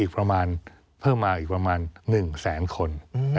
เพิ่มมาอีกประมาณ๑แสนคน